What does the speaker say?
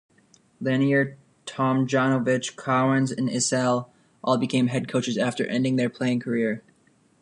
Lanier, Tomjanovich, Cowens and Issel all became head coaches after ending their playing career.